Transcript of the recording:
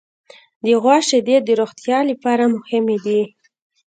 د غوا شیدې د روغتیا لپاره مهمې دي.